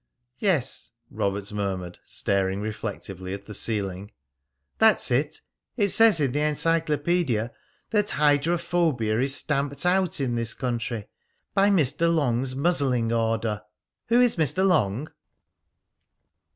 "Yes," Robert murmured, staring reflectively at the ceiling. "That's it. It says in the encyclopedia that hydrophobia is stamped out in this country by Mr. Long's muzzling order. Who is Mr. Long?"